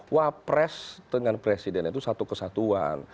wapres dengan presiden itu satu kesatuan